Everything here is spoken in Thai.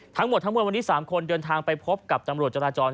ทั้งหมดทั้งมวลวันนี้๓คนเดินทางไปพบกับตำรวจจราจร